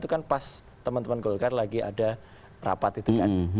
itu kan pas teman teman golkar lagi ada rapat itu kan